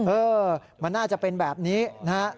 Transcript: เออมันน่าจะเป็นแบบนี้นะฮะ